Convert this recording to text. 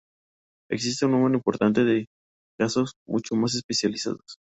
Existe un número importante de casos mucho más especializados.